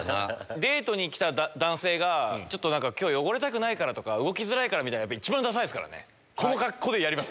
デートに来た男性が今日汚れたくないからとか動きづらいからみたいなのが一番ダサいですからね。